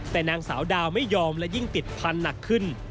แต่นางสาวดาวไม่ยอมและยิ่งติดพันธุ์หนักขึ้น